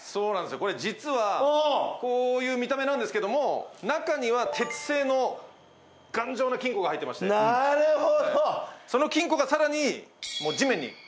これ実はこういう見た目なんですけども中には鉄製の頑丈な金庫が入っていましてその金庫がさらに地面に打ち付けてあるんです。